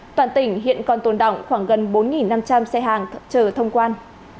toàn tỉnh hiện còn tồn động khoảng gần bốn năm trăm linh xe hàng chờ thông quan